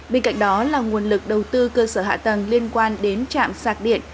bên cạnh đó là nguồn lực đầu tư cơ sở hạ tầng liên quan đến trạm sạc điện